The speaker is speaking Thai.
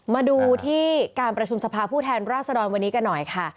มาดูที่การประชุมสภาผู้แทนราษฎรวันนี้กันหน่อยค่ะ